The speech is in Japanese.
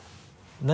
何？